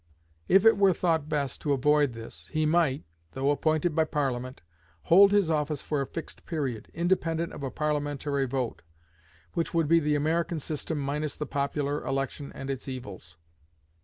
If it were thought best to avoid this, he might, though appointed by Parliament, hold his office for a fixed period, independent of a Parliamentary vote, which would be the American system minus the popular election and its evils.